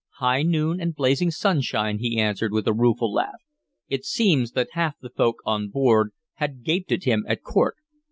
"High noon and blazing sunshine," he answered, with a rueful laugh. "It seems that half the folk on board had gaped at him at court.